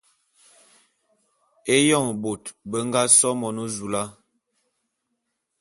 Éyoň bôt be nga so Monezula.